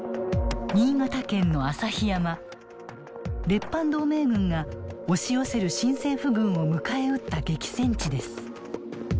列藩同盟軍が押し寄せる新政府軍を迎え撃った激戦地です。